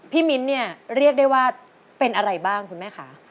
มิ้นเนี่ยเรียกได้ว่าเป็นอะไรบ้างคุณแม่คะ